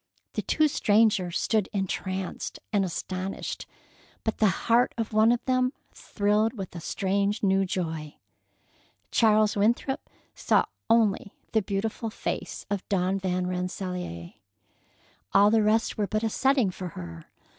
The two strangers stood entranced and astonished; but the heart of one of them thrilled with a strange new joy. Charles Winthrop saw only the beautiful face of Dawn Van Rensselaer. All the rest were but a setting for her.